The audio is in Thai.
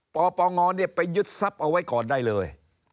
ปปงไปยึดทรัพย์เอาไว้ก่อนได้เลย